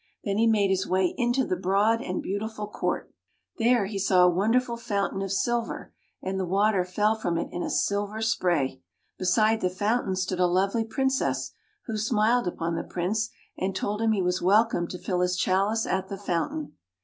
Then he made his way into the broad and beautiful court. There he saw a wonderful fountain of sil ver, and the water fell from it in a silver spray. Beside the fountain stood a lovely Princess, who smiled upon the Prince and told him he was welcome to fill his chalice at the fountain.